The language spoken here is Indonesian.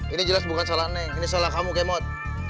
ini jelas bukan salah nih ini salah kamu kemot